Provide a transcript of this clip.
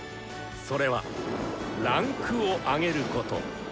それは「位階を上げる」こと。